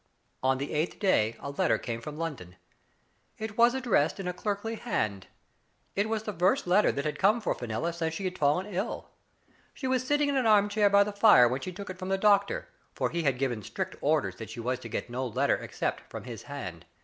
On the eighth day a letter came from London. It was addressed in a clerkly hand. It was the first letter that had come for Fenella since she had fallen ill. She was sitting in an armchair by the fire when she took it from the doctor, for he had given strict orders she was to get no letter except from his hand.